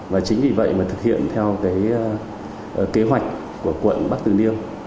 và chính vì vậy mà thực hiện theo cái kế hoạch của quận bắc từ niêu